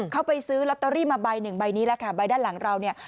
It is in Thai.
เขาไปซื้อลอตเตอรี่มาใบหนึ่งใบนี้แหละค่ะใบด้านหลังเราเนี่ย